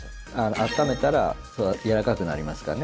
温めたらやわらかくなりますからね。